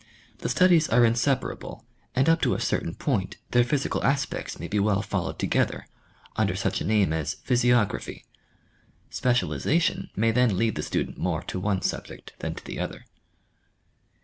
The studies are inseparable and up to a certain point, their physical aspects may be well followed together, under such a name as physiography. Specialization may then lead the student more to one subject than to the other.